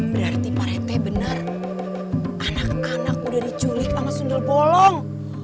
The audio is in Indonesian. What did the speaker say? berarti pak rete bener anak anak udah diculik sama sundel bolong